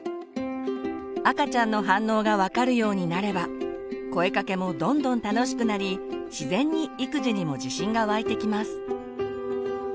赤ちゃんの反応が分かるようになれば声かけもどんどん楽しくなり自然に育児にも自信が湧いてきます。